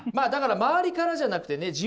だから周りからじゃなくてね